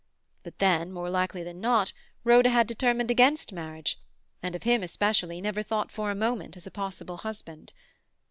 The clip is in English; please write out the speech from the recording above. But then, more likely than not, Rhoda had determined against marriage, and of him, especially, never thought for a moment as a possible husband.